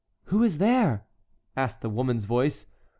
"Who is there?" asked a woman's voice.